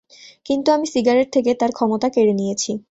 কিন্তু আমি সিগারেট থেকে তার ক্ষমতা কেড়ে নিয়েছি।